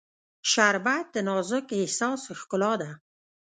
شربت د نازک احساس ښکلا ده